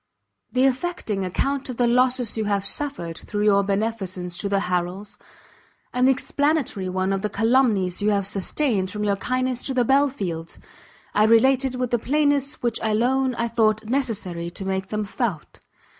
The affecting account of the losses you have suffered through your beneficence to the Harrels, and the explanatory one of the calumnies you have sustained from your kindness to the Belfields, I related with the plainness which alone I thought necessary to make them felt.